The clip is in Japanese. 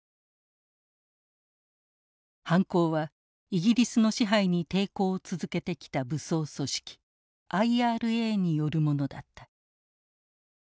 犯行はイギリスの支配に抵抗を続けてきた武装組織ＩＲＡによるものだった。